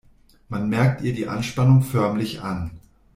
Man merkt ihr die Anspannung förmlich an.